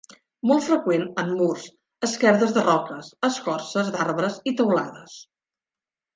Molt freqüent en murs, esquerdes de roques, escorces d'arbres i teulades.